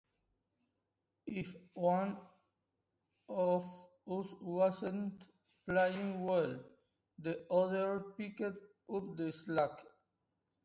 If one of us wasn't playing well, the others picked up the slack.